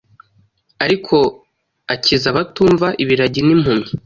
Ariko akiza abatumva, ibiragi, n'impumyi.